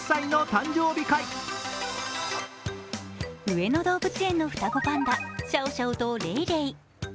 上野動物園の双子パンダシャオシャオとレイレイ。